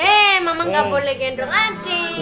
eh mama enggak boleh gendong nanti